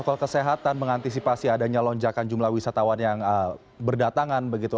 protokol kesehatan mengantisipasi adanya lonjakan jumlah wisatawan yang berdatangan begitu